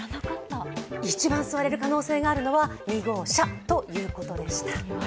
一番座れる可能性があるのは２号車ということでした。